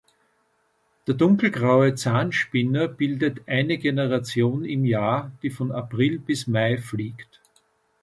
Der Dunkelgraue Zahnspinner bildet eine Generation im Jahr, die von April bis Mai fliegt.